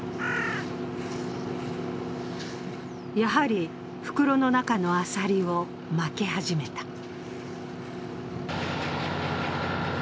やはり、袋の中のアサリをまき始めた。